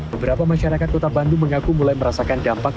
beberapa masyarakat kota bandung mengaku mulai merasakan dampak